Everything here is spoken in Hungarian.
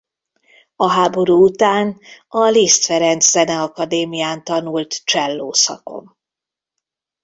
A háború után a Liszt Ferenc Zeneakadémián tanult cselló szakon.